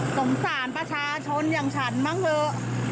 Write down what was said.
สงสารประชาชนอย่างฉันมั้งเถอะ